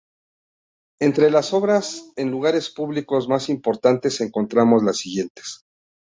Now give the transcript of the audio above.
Entre las obras en lugares públicos más importantes, encontramos las siguientes.